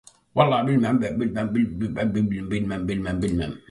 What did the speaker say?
Sunday nights saw the Disco-Tick evenings with Fridays and Saturdays devoted to live bands.